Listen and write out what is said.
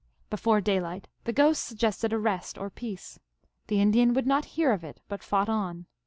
Before daylight the Ghost suggested a rest, or peace ; the Indian would not hear of it, but fought on.